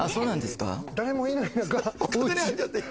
誰もいない中。